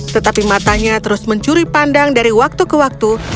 tetapi matanya terus mencuri pandang dari waktu ke waktu